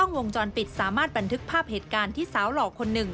วงจรปิดสามารถบันทึกภาพเหตุการณ์ที่สาวหล่อคนหนึ่ง